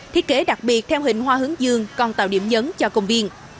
thiết kế đặc biệt theo hình hoa hướng dương còn tạo điểm nhấn cho công viên